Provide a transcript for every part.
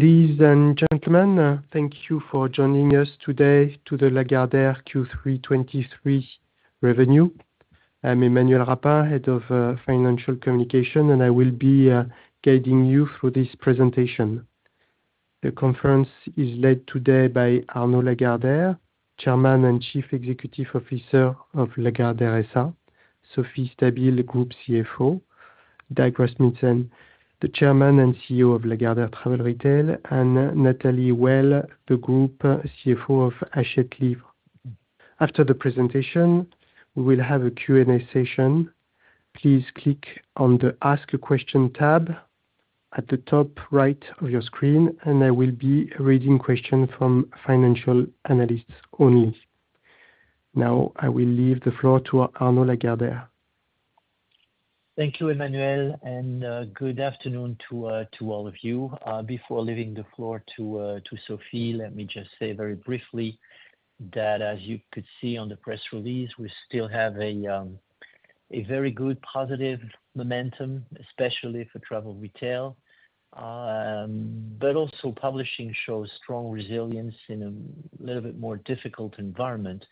Ladies and gentlemen, thank you for joining us today to the Lagardère Q3 2023 revenue. I'm Emmanuel Rapin, Head of Financial Communication, and I will be guiding you through this presentation. The conference is led today by Arnaud Lagardère, Chairman and CEO of Lagardère SA, Sophie Stabile, Group CFO, Dag Rasmussen, the Chairman and CEO of Lagardère Travel Retail, and Nathalie Houël, the Group CFO of Hachette Livre. After the presentation, we will have a Q&A session. Please click on the Ask a Question tab at the top right of your screen, and I will be reading questions from financial analysts only. Now, I will leave the floor to Arnaud Lagardère. Thank you, Emmanuel, and good afternoon to all of you. Before leaving the floor to Sophie, let me just say very briefly that as you could see on the press release, we still have a very good positive momentum, especially for travel retail. But also publishing shows strong resilience in a little bit more difficult environment.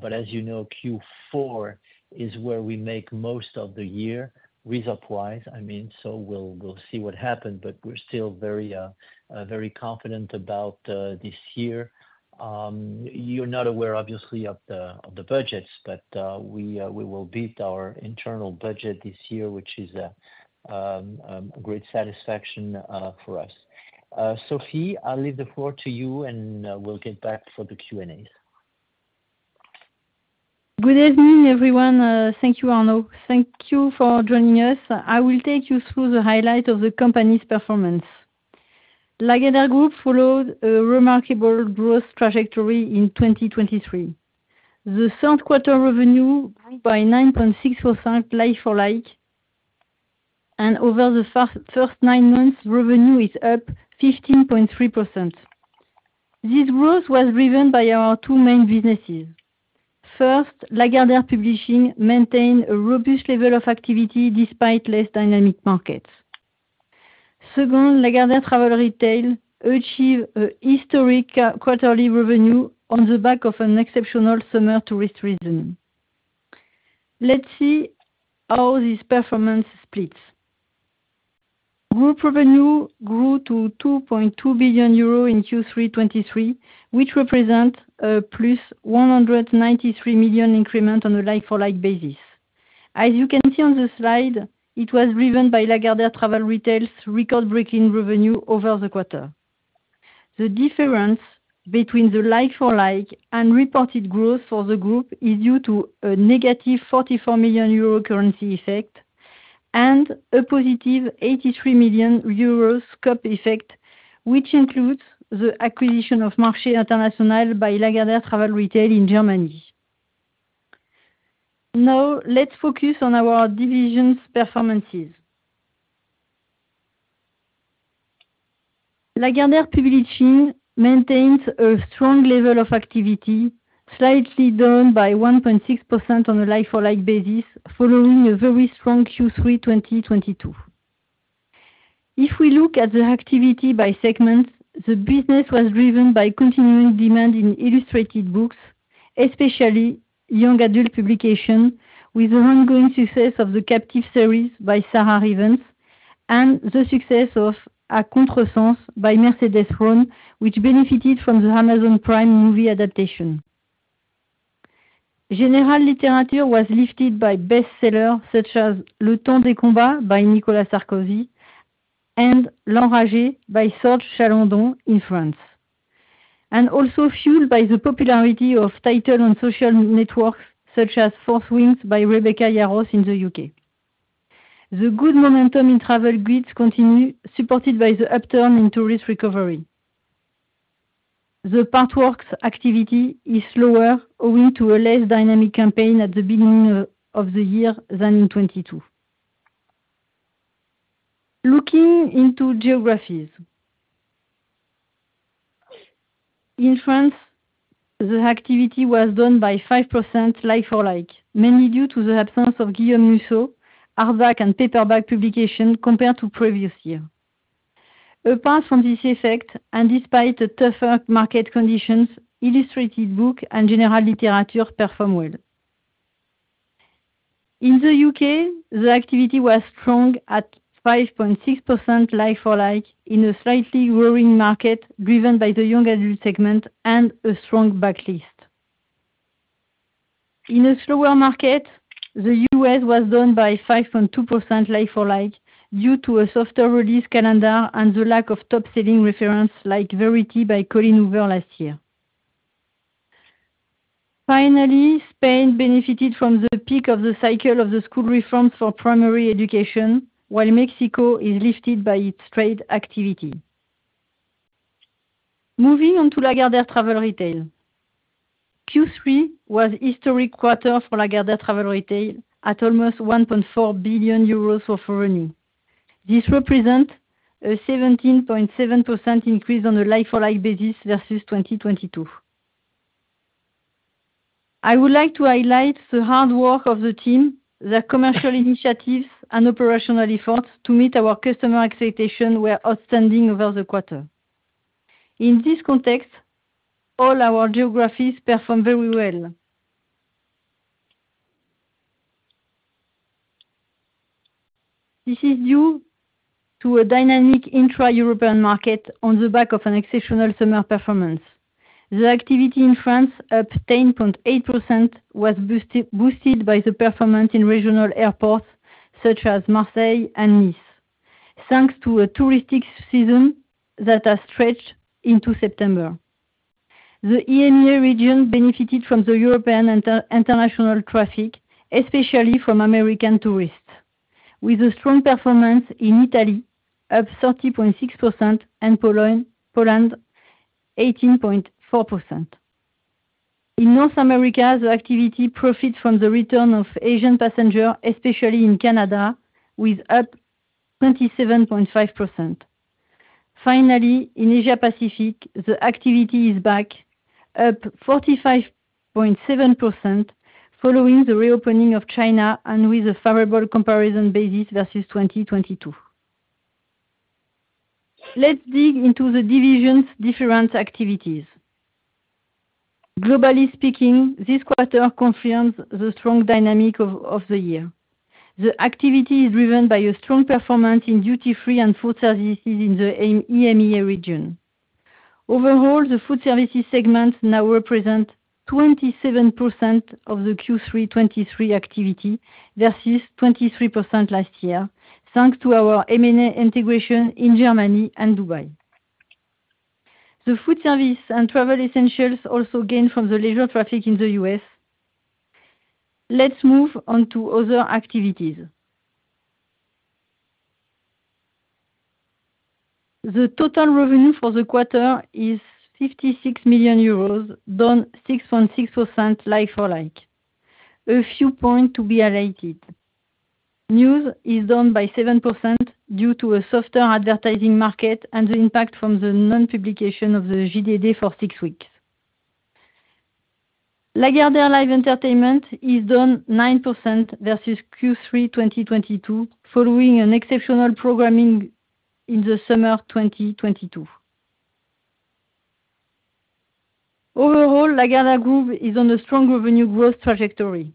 But as you know, Q4 is where we make most of the year, result-wise, I mean, so we'll see what happens, but we're still very very confident about this year. You're not aware, obviously, of the budgets, but we will beat our internal budget this year, which is a great satisfaction for us. Sophie, I'll leave the floor to you, and we'll get back for the Q&A. Good evening, everyone. Thank you, Arnaud. Thank you for joining us. I will take you through the highlight of the company's performance. Lagardère Group followed a remarkable growth trajectory in 2023. The Q3 revenue by 9.6% like-for-like, and over the first nine months, revenue is up 15.3%. This growth was driven by our two main businesses. First, Lagardère Publishing maintained a robust level of activity despite less dynamic markets. Second, Lagardère Travel Retail achieved a historic quarterly revenue on the back of an exceptional summer tourist season. Let's see how this performance splits. Group revenue grew to 2.2 billion euro in Q3 2023, which represent a +193 million increment on a like-for-like basis. As you can see on the slide, it was driven by Lagardère Travel Retail's record-breaking revenue over the quarter. The difference between the like-for-like and reported growth for the group is due to a negative 44 million euro currency effect, and a positive 83 million euros scope effect, which includes the acquisition of Marché International by Lagardère Travel Retail in Germany. Now, let's focus on our divisions' performances. Lagardère Publishing maintains a strong level of activity, slightly down by 1.6% on a like-for-like basis, following a very strong Q3 2022. If we look at the activity by segments, the business was driven by continuing demand in illustrated books, especially young adult publication, with the ongoing success of The Captive series by Sarah Rivens, and the success of À contre-sens by Mercedes Ron, which benefited from the Amazon Prime movie adaptation. General Literature was lifted by bestsellers such as Le Temps des combats by Nicolas Sarkozy and L'Enragé by Sorj Chalandon in France, and also fueled by the popularity of title on social networks, such as Fourth Wing by Rebecca Yarros in the UK. The good momentum in travel retail continues, supported by the upturn in tourist recovery. The Partworks activity is slower, owing to a less dynamic campaign at the beginning of the year than in 2022. Looking into geographies. In France, the activity was down by 5% like-for-like, mainly due to the absence of Guillaume Musso, and backlist and paperback publication compared to previous year. Apart from this effect, and despite the tougher market conditions, illustrated book and general literature perform well. In the U.K., the activity was strong at 5.6% like-for-like, in a slightly growing market, driven by the young adult segment and a strong backlist. In a slower market, the U.S. was down by 5.2% like-for-like, due to a softer release calendar and the lack of top-selling references like Verity by Colleen Hoover last year. Finally, Spain benefited from the peak of the cycle of the school reforms for primary education, while Mexico is lifted by its trade activity. Moving on to Lagardère Travel Retail. Q3 was historic quarter for Lagardère Travel Retail at almost 1.4 billion euros of revenue. This represent a 17.7% increase on a like-for-like basis versus 2022. I would like to highlight the hard work of the team, their commercial initiatives and operational efforts to meet our customer expectation were outstanding over the quarter. In this context, all our geographies performed very well. This is due to a dynamic intra-European market on the back of an exceptional summer performance. The activity in France, up 10.8%, was boosted by the performance in regional airports such as Marseille and Nice, thanks to a touristic season that has stretched into September. The EMEA region benefited from the European international traffic, especially from American tourists, with a strong performance in Italy, up 30.6%, and Poland, 18.4%. In North America, the activity profits from the return of Asian passengers, especially in Canada, with up 27.5%. Finally, in Asia Pacific, the activity is back, up 45.7%, following the reopening of China and with a favorable comparison basis versus 2022. Let's dig into the division's different activities. Globally speaking, this quarter confirms the strong dynamic of the year. The activity is driven by a strong performance in duty-free and food services in the EMEA region. Overall, the food services segment now represent 27% of the Q3 2023 activity, versus 23% last year, thanks to our M&A integration in Germany and Dubai. The food service and travel essentials also gained from the leisure traffic in the US. Let's move on to other activities. The total revenue for the quarter is 56 million euros, down 6.6%, like-for-like. A few point to be highlighted. News is down by 7% due to a softer advertising market and the impact from the non-publication of the JDD for six weeks. Lagardère Live Entertainment is down 9% versus Q3 2022, following an exceptional programming in the summer 2022. Overall, Lagardère Group is on a strong revenue growth trajectory.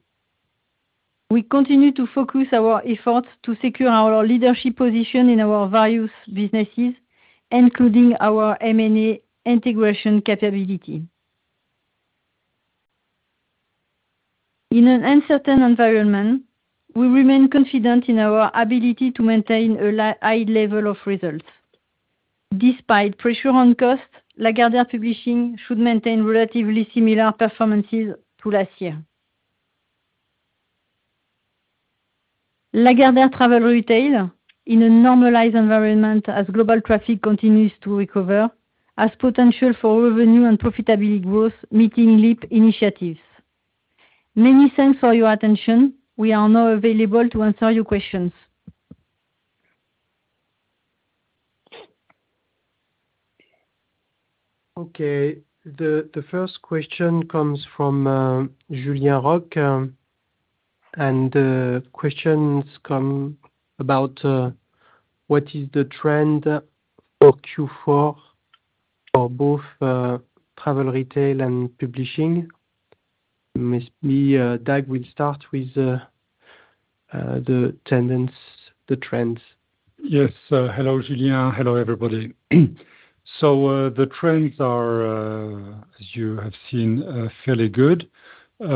We continue to focus our efforts to secure our leadership position in our various businesses, including our M&A integration capability. In an uncertain environment, we remain confident in our ability to maintain a high level of results. Despite pressure on costs, Lagardère Publishing should maintain relatively similar performances to last year. Lagardère Travel Retail, in a normalized environment as global traffic continues to recover, has potential for revenue and profitability growth, meeting LEAP initiatives. Many thanks for your attention. We are now available to answer your questions. Okay. The first question comes from Julien Roch, and questions come about what is the trend for Q4 for both travel retail and publishing? M. Dag will start with the trends. Yes. Hello, Julien. Hello, everybody. So, the trends are, as you have seen, fairly good. We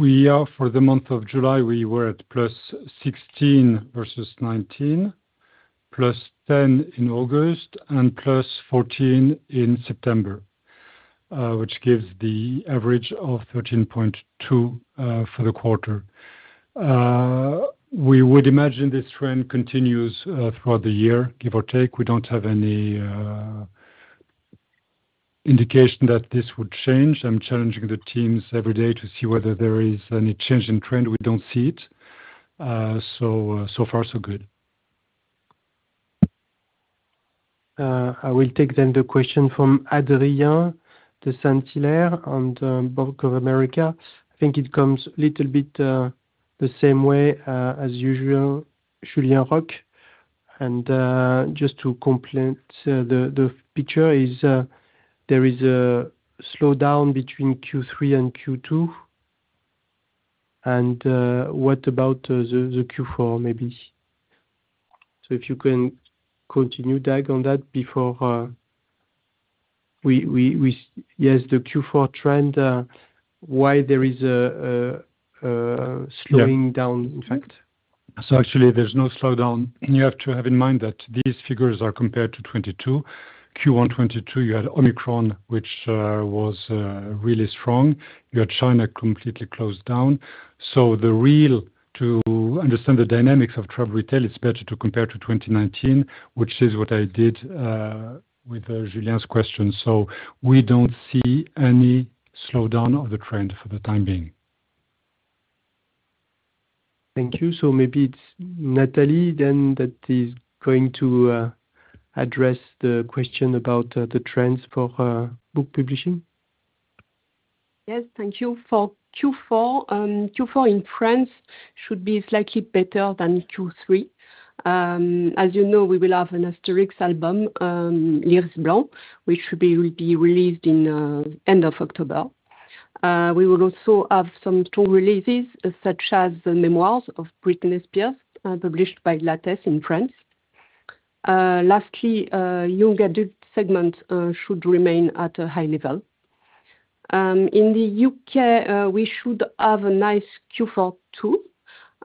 are for the month of July, we were at +16 versus 19, +10 in August, and +14 in September, which gives the average of 13.2 for the quarter. We would imagine this trend continues throughout the year, give or take. We don't have any indication that this would change. I'm challenging the teams every day to see whether there is any change in trend. We don't see it. So far so good. I will take then the question from Adrien de Saint-Hilaire, on, Bank of America. I think it comes a little bit, the same way, as usual, Julien Roch. And, just to complete, the picture is, there is a slowdown between Q3 and Q2, and, what about, the Q4, maybe? So if you can continue, Dag, on that before, we yes, the Q4 trend, why there is a, slowing yeah down effect? So actually, there's no slowdown. You have to have in mind that these figures are compared to 2022. Q1 2022, you had Omicron, which was really strong. You had China completely closed down. To understand the dynamics of travel retail, it's better to compare to 2019, which is what I did with Julien's question. So we don't see any slowdown of the trend for the time being. Thank you. So maybe it's Nathalie then, that is going to address the question about the trends for book publishing. Yes, thank you. For Q4, Q4 in France should be slightly better than Q3. As you know, we will have an Astérix album, L'Iris blanc, which will be released in end of October. We will also have some strong releases, such as the memoirs of Britney Spears, published by Lattès in France. Lastly, young adult segment should remain at a high level. In the UK, we should have a nice Q4, too.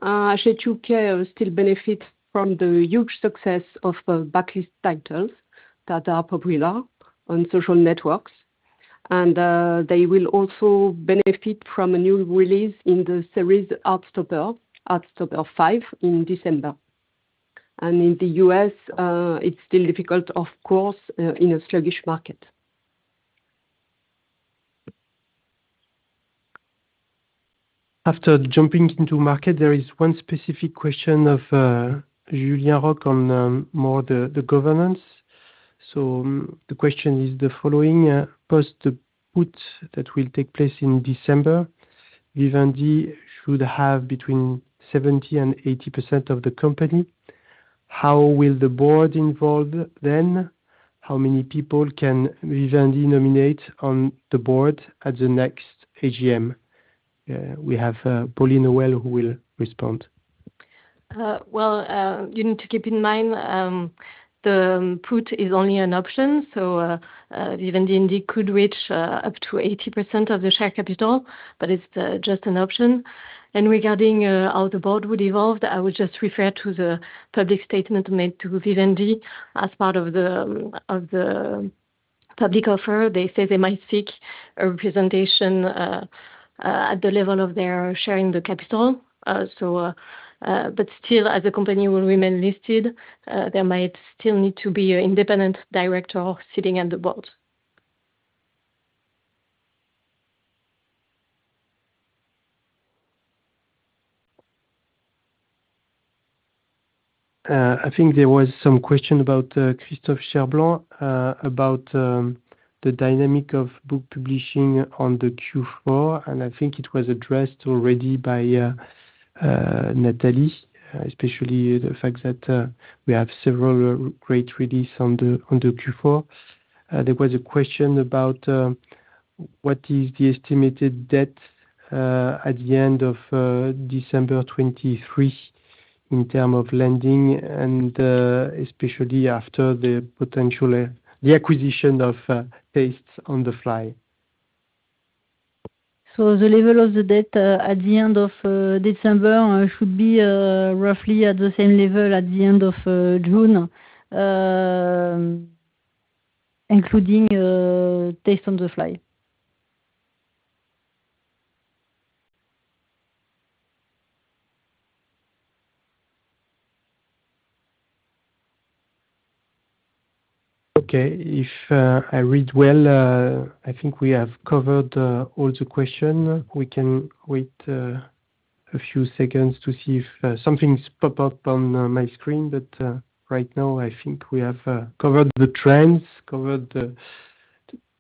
Actually, UK still benefits from the huge success of the backlist titles that are popular on social networks. They will also benefit from a new release in the series, Heartstopper Volume 5, in December. In the US, it's still difficult, of course, in a sluggish market. After jumping into market, there is one specific question of Julien Roch on more the governance. So the question is the following: post the put that will take place in December, Vivendi should have between 70% and 80% of the company. How will the board involved then? How many people can Vivendi nominate on the board at the next AGM? We have Pauline Hauwel, who will respond. Well, you need to keep in mind, the put is only an option, so, Vivendi indeed could reach, up to 80% of the share capital, but it's, just an option. And regarding, how the board would evolve, I would just refer to the public statement made to Vivendi as part of the, of the public offer. They say they might seek a representation, at the level of their sharing the capital. So, but still, as the company will remain listed, there might still need to be an independent director sitting on the board. I think there was some question about Christophe Cherblanc about the dynamic of book publishing on the Q4, and I think it was addressed already by Nathalie, especially the fact that we have several great release on the Q4. There was a question about what is the estimated debt at the end of December 2023, in term of lending, and especially after the potential The acquisition of Tastes on the Fly. The level of the debt at the end of December should be roughly at the same level at the end of June, including Tastes on the Fly. Okay. If I read well, I think we have covered all the question. We can wait a few seconds to see if something's pop up on my screen, but right now, I think we have covered the trends, covered the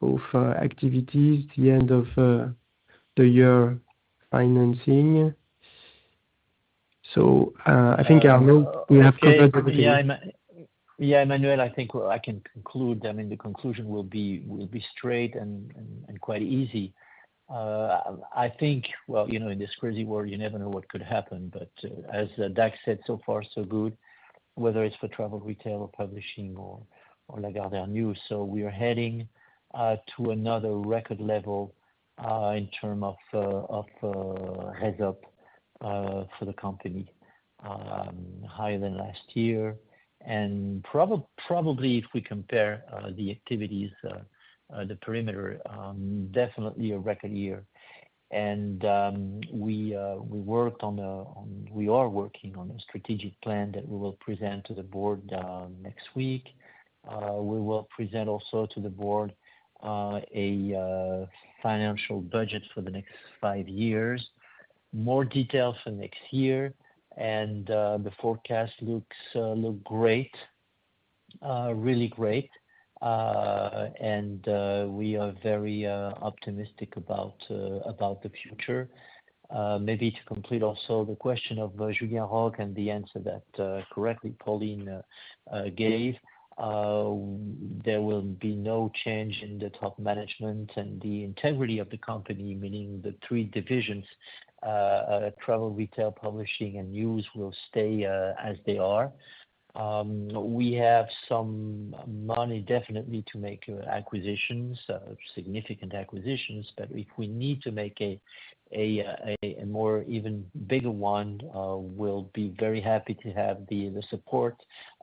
of activities at the end of the year financing. So I think, Arnaud, we have covered everything. Yeah, Emmanuel, I think I can conclude. I mean, the conclusion will be straight and quite easy. I think, well, you know, in this crazy world, you never know what could happen, but, as Dag said, "So far, so good." Whether it's for travel retail, or publishing, or Lagardère News. We are heading to another record level in terms of for the company, higher than last year. Probably if we compare the activities, the perimeter, definitely a record year. We worked on—we are working on a strategic plan that we will present to the board next week. We will present also to the board a financial budget for the next five years. More details for next year, and the forecast looks great, really great. We are very optimistic about the future. Maybe to complete also the question of Julien Roch and the answer that correctly Pauline gave. There will be no change in the top management and the integrity of the company, meaning the three divisions, travel, retail, publishing, and news will stay as they are. We have some money definitely to make acquisitions, significant acquisitions, but if we need to make a more even bigger one, we'll be very happy to have the support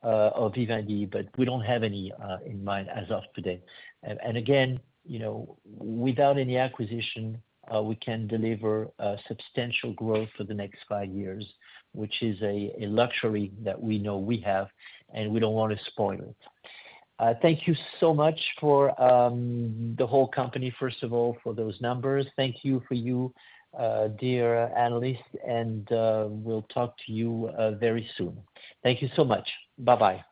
of Vivendi, but we don't have any in mind as of today. Again, you know, without any acquisition, we can deliver a substantial growth for the next five years, which is a luxury that we know we have, and we don't want to spoil it. Thank you so much for the whole company, first of all, for those numbers. Thank you for you, dear analysts, and we'll talk to you very soon. Thank you so much. Bye-bye.